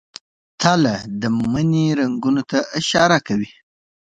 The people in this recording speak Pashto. تله د مني رنګونو ته اشاره کوي.